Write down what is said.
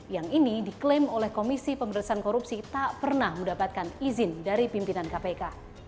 yang ini diklaim oleh komisi pemberantasan korupsi tak pernah mendapatkan izin dari pimpinan kpk